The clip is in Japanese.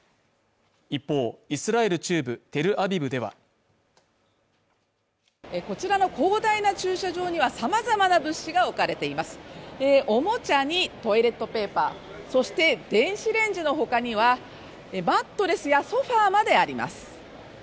一方イスラエル中部テルアビブではこちらの広大な駐車場には様々な物資が置かれていますおもちゃにトイレットペーパーそして電子レンジのほかにはマットレスやソファーまであります